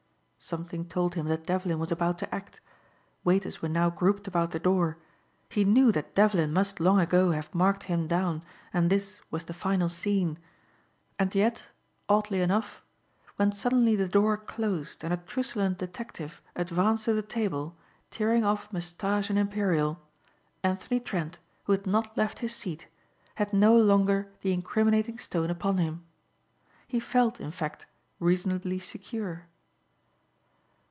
Something told him that Devlin was about to act. Waiters were now grouped about the door. He knew that Devlin must long ago have marked him down and this was the final scene. And yet, oddly enough, when suddenly the door closed and a truculent detective advanced to the table tearing off moustache and imperial, Anthony Trent, who had not left his seat, had no longer the incriminating stone upon him. He felt, in fact, reasonably secure.